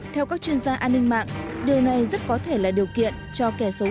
theo các chuyên gia an ninh mạng điều này rất có thể là điều kiện cho kẻ xấu